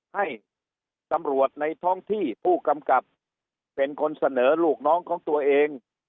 ให้ตำรวจในท้องที่ผู้กำกับเป็นคนเสนอลูกน้องของตัวเอง